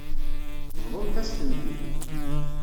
Bḍumt-as-tent-id.